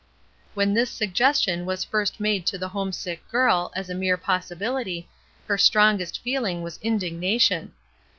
'' When this suggestion was first made to the homesick girl, as a mere possibility, her strong est feeling was indignation.